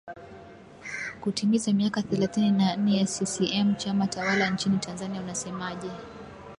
kutimiza miaka thelathini na nne ya ccm chama tawala nchini tanzania unasemaje